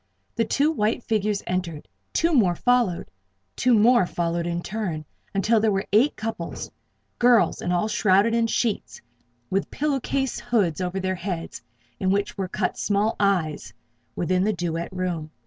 The two white figures entered; two more followed; two more followed in turn, until there were eight couples girls and all shrouded in sheets, with pillow case hoods over their heads, in which were cut small "eyes" within the duet room.